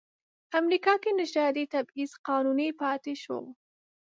امریکا کې نژادي تبعیض قانوني پاتې شو.